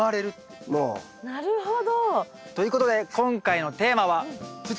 なるほど！ということで今回のテーマはお。